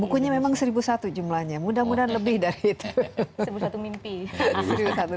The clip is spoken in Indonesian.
bukunya memang seribu satu jumlahnya mudah mudahan lebih dari itu